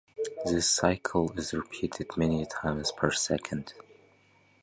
This cycle is repeated many times per second.